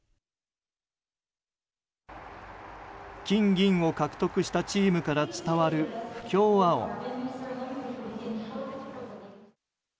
金銀を獲得したチームから伝わる不協和音。